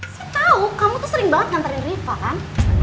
saya tau kamu tuh sering banget nantain riva kan